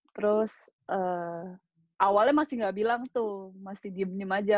terus awalnya masih gak bilang tuh masih diem diem aja